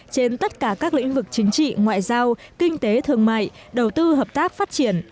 trên tất cả các lĩnh vực chính trị ngoại giao kinh tế thương mại đầu tư hợp tác phát triển